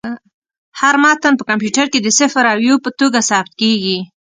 هر متن په کمپیوټر کې د صفر او یو په توګه ثبت کېږي.